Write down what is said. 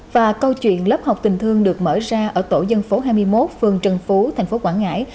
và câu chuyện lớp học tình thương được mở ra ở tổ dân phố hai mươi một phường trần phú thành phố quảng ngãi